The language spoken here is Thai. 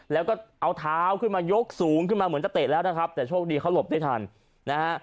แล้วก็เอาเท้าขึ้นมายกสูงขึ้นมาเหมือนจะเตะแล้วนะครับแต่โชคดีเขาหลบได้ทันนะฮะ